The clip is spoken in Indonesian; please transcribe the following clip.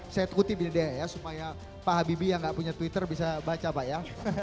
saya kutip ini dia ya supaya pak habibie yang gak punya twitter bisa baca pak ya